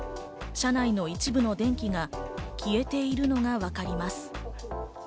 車内の一部の電気が消えているのが分かります。